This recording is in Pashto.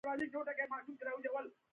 دا غر دی